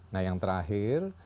nah yang terakhir